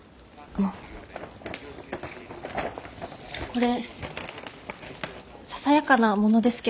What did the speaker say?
これささやかなものですけど。